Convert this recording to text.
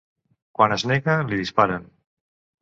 Quan es nega, li disparen.